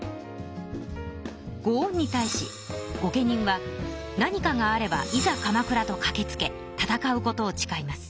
ご恩に対し御家人は何かがあれば「いざ鎌倉」とかけつけ戦うことをちかいます。